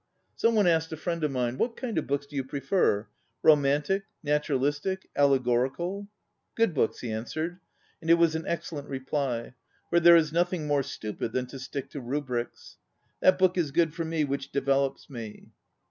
Some one asked a friend of mine: "What kind of books do you pre fer? ŌĆö romantic, naturalistic, allego rical? "" Good books," he answered, and it was an excellent reply; for there is nothing more stupid than to stick to rubrics. That book is good for me which develops me.